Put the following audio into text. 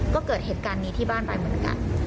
ก็เกิดเหตุการณ์นี้ที่บ้านไปเหมือนกัน